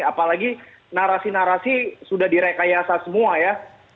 apalagi narasi narasi sudah direkayasa semua ya